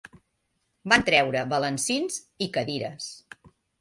Van treure balancins i cadires